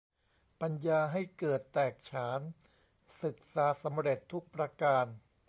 ปัญญาให้เกิดแตกฉาน ศึกษาสำเร็จทุกประการ